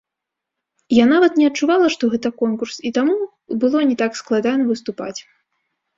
Я нават не адчувала, што гэта конкурс, і таму было не так складана выступаць.